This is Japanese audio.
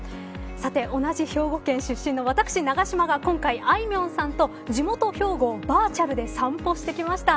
さて、同じ兵庫県出身の私永島が今回、あいみょんさんと地元、兵庫をバーチャルで散歩してきました。